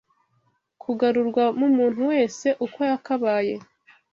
kugarurwa mu muntu wese uko yakabaye.